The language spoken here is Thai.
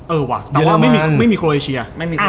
เออว่ะแต่ว่าไม่มีโครเอเชีย